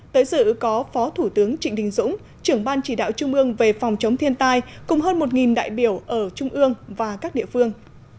tới dự có phó thủ tướng trịnh đình dũng trưởng ban chỉ đạo trung ương về phòng chống thiên tai cùng hơn một đại biểu ở trung ương và các địa phương